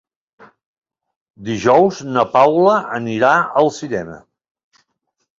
Dijous na Paula anirà al cinema.